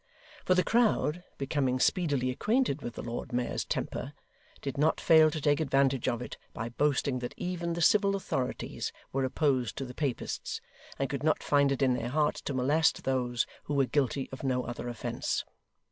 For the crowd, becoming speedily acquainted with the Lord Mayor's temper, did not fail to take advantage of it by boasting that even the civil authorities were opposed to the Papists, and could not find it in their hearts to molest those who were guilty of no other offence.